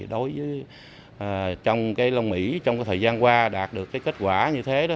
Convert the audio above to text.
đối với trong cái lông mỹ trong cái thời gian qua đạt được cái kết quả như thế đó